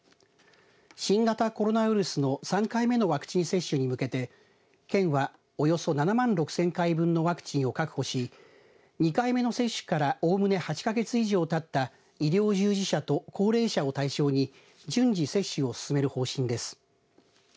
新型コロナウイルスの３回目のワクチン接種に向けて県は、およそ７万６０００回分のワクチンを確保し２回目の接種からおおむね８か月以上たった医療従事者と高齢者を対象に順次接種を進める方針です。